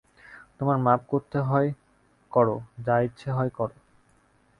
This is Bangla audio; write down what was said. তোমরা মাপ করতে হয় কর, যা ইচ্ছে হয় কর।